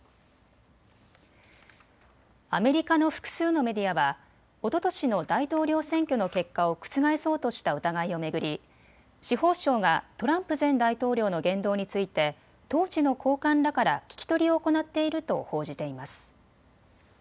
アメリカの複数のメディアはおととしの大統領選挙の結果を覆そうとした疑いを巡り司法省がトランプ前大統領の言動について当時の高官らから聞き取りを行っていると報じています。